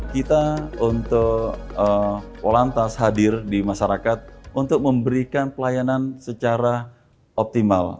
kita untuk polantas hadir di masyarakat untuk memberikan pelayanan secara optimal